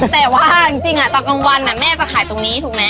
แต่ว่าจริงตอนกลางวันแม่จะขายตรงนี้ถูกไหม